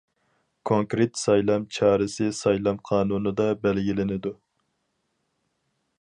كونكرېت سايلام چارىسى سايلام قانۇنىدا بەلگىلىنىدۇ.